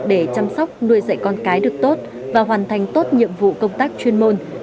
để chăm sóc nuôi dạy con cái được tốt và hoàn thành tốt nhiệm vụ công tác chuyên môn